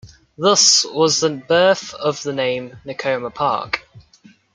Thus was the birth of the name Nicoma Park.